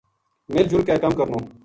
” مِل جُل کے کَم کرنو “